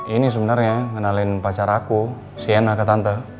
ini sebenarnya ngenalin pacar aku sienna ke tante